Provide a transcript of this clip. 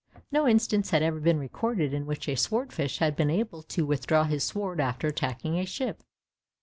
No instance had ever been recorded in which a sword fish had been able to withdraw his sword after attacking a ship.